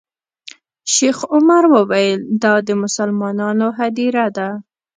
شیخ عمر وویل دا د مسلمانانو هدیره ده.